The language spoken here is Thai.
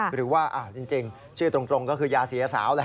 หรือว่าจริงชื่อตรงก็คือยาเสียสาวแหละ